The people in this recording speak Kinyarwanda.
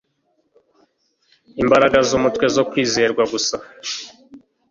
Imbaraga zumutwe zo kwizerwa gusa